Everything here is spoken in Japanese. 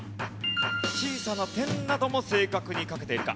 小さな点なども正確に書けているか？